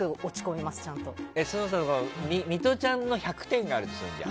ミトちゃんの１００点があるとするじゃん。